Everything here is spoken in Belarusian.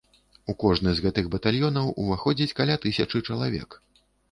У кожны з гэтых батальёнаў уваходзіць каля тысячы чалавек.